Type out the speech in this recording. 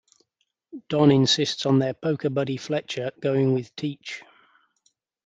Don insists on their poker buddy Fletcher going with Teach.